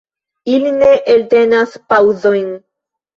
Ili ne eltenas paŭzojn.